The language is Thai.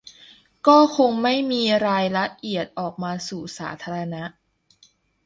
ก็คงไม่มีรายละเอียดออกมาสู่สาธารณะ